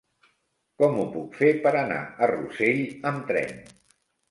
Com ho puc fer per anar a Rossell amb tren?